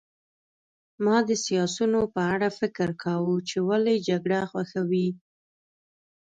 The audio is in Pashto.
ما د سیاسیونو په اړه فکر کاوه چې ولې جګړه خوښوي